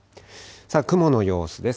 雲の様子です。